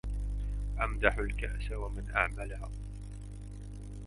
امدح الكأس ومن أعملها